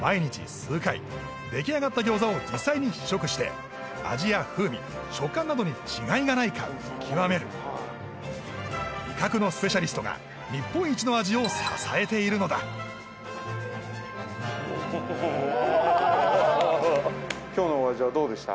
数回出来上がったギョーザを実際に試食して味や風味食感などに違いがないか見極める味覚のスペシャリストが日本一の味を支えているのだ今日のお味はどうでした？